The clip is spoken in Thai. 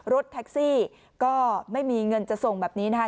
รถแท็กซี่ก็ไม่มีเงินจะส่งแบบนี้นะคะ